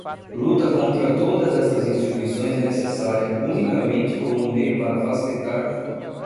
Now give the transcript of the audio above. luta contra todas estas instituições é necessária unicamente como meio para facilitar